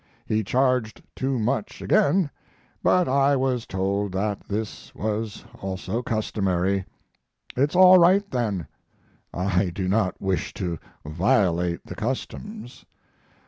He charged too much again, but I was told that this was also customary. It's all right, then. I do not wish to violate the customs.